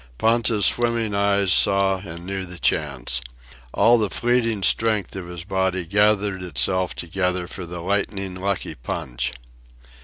Ponta's swimming eyes saw and knew the chance. All the fleeing strength of his body gathered itself together for the lightning lucky punch.